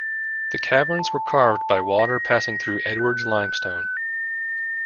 The caverns were carved by water passing through Edwards limestone.